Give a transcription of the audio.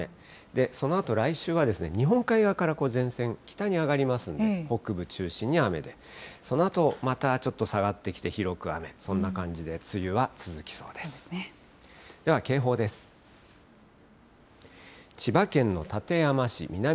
そのあと来週は、日本海側から前線、北に上がりますので、北部中心に雨で、そのあとまたちょっと下がってきて広く雨、そんな感じで、梅雨は続きそうです。